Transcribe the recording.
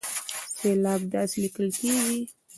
سېلاب داسې ليکل کېږي